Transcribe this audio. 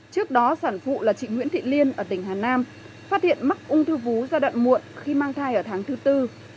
trước đó sản phụ là chị nguyễn thị liên ở tỉnh hà nam phát hiện mắc ung thư vú giai đoạn muộn khi mang thai ở tháng thứ tư